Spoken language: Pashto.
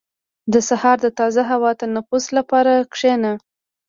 • د سهار د تازه هوا تنفس لپاره کښېنه.